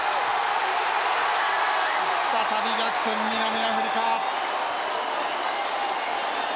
再び逆転南アフリカ。